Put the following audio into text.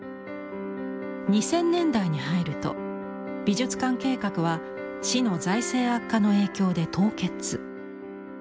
２０００年代に入ると美術館計画は市の財政悪化の影響で凍結。